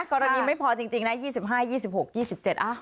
กรณีไม่พอจริงนะ